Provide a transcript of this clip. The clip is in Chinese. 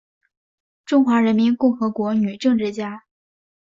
中华人民共和国女政治家。